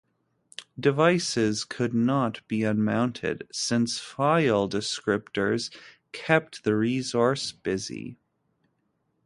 Devices could not be unmounted since file descriptors kept the resource busy.